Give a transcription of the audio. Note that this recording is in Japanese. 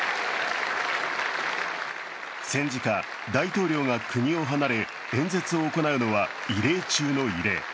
戦時下、大統領が国を離れ演説を行うのは異例中の異例。